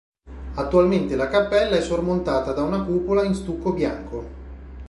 Attualmente la cappella è sormontata da una cupola in stucco bianco.